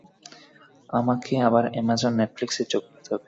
আমাকে আবার অ্যামাজন, নেটফ্লিক্সে চোখ বোলাতে হবে।